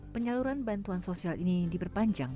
penyaluran bantuan sosial ini diperpanjang